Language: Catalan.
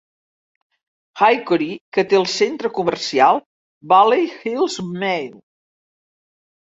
Hickory, que té el centra comercial Valley Hills Mall.